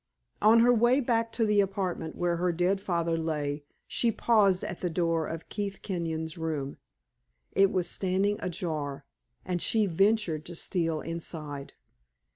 On her way back to the apartment where her dead father lay, she paused at the door of Keith Kenyon's room. It was standing ajar, and she ventured to steal inside.